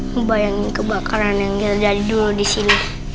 membayangi kebakaran yang ada dulu disini